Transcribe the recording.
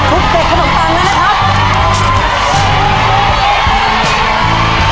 พรุ่งเจ็ดขนมปังนะนะครับ